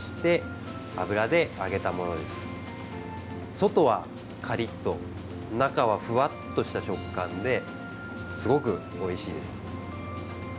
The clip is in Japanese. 外はカリっと中はふわっとした食感ですごくおいしいです。